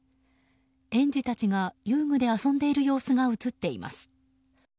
園児たちが、遊具で遊んでいる様子が写っています。